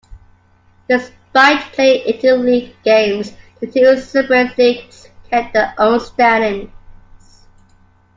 Despite playing interleague games, the two separate leagues kept their own standings.